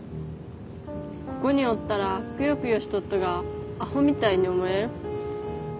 ここにおったらくよくよしとっとがアホみたいに思えん？